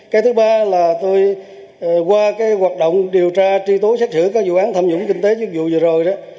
cái thứ ba là tôi qua cái hoạt động điều tra truy tố xét xử các vụ án tham nhũng kinh tế chức vụ vừa rồi đó